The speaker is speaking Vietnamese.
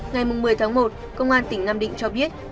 ngày một mươi tháng một công an tỉnh nam định cho biết